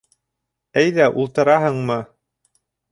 — Әйҙә, ултыраһыңмы?